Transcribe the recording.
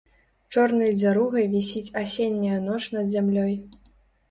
Чорнай дзяругай вісіць асенняя ноч над зямлёй.